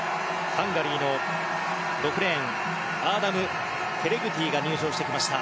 ハンガリーの６レーンアーダム・テレグディが入場してきました。